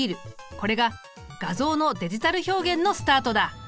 これが画像のデジタル表現のスタートだ。